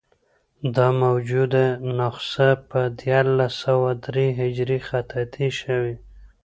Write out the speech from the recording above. دا موجوده نسخه په دیارلس سوه درې هجري خطاطي شوې.